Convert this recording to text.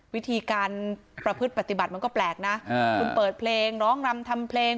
วิธีการประพฤติปฏิบัติมันก็แปลกนะคุณเปิดเพลงร้องรำทำเพลง